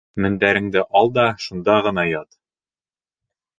Мендәреңде ал да шунда ғына ят!